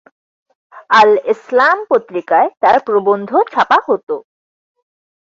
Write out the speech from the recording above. আল-এসলাম পত্রিকায় তার প্রবন্ধ ছাপা হত।